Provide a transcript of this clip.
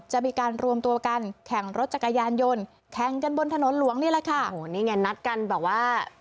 จะมีการรวมตัวกันแข่งรถจักรยานยนต์แข่งกันบนถนนหลวงนี่แหละค่ะ